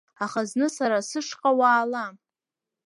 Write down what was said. Аха зны сара сышҟа уаала.